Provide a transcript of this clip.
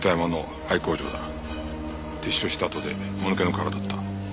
撤収したあとでもぬけの殻だった。